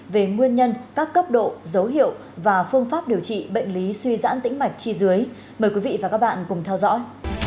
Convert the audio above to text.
về nguyên nhân các cấp độ dấu hiệu và phương pháp điều trị bệnh lý suy giãn tĩnh mạch chi dưới mời quý vị và các bạn cùng theo dõi